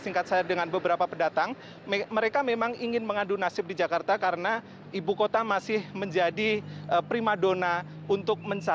gubernur basuki cahayapurnama juga